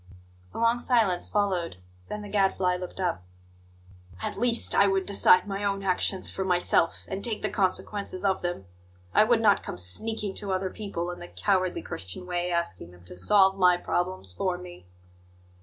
A long silence followed; then the Gadfly looked up. "At least, I would decide my own actions for myself, and take the consequences of them. I would not come sneaking to other people, in the cowardly Christian way, asking them to solve my problems for me!"